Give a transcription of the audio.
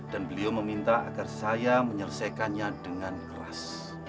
dan beliau meminta agar saya menyelesaikannya dengan keras